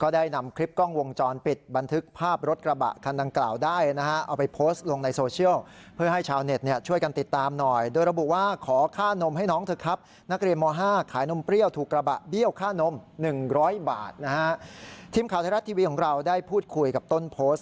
ทีมข่าวไทยรัฐทีวีของเราได้พูดคุยกับต้นโพสต์